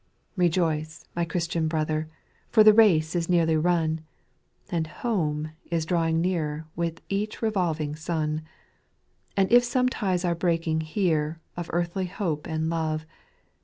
Rejoice, my Cbristian brother, for the race is nearly run, And home is drawing nearer with each revolv ing sun ; And if some ties are breaking here, of earthly hope and love.